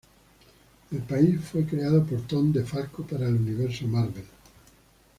El país fue creado por Tom DeFalco para el Universo Marvel.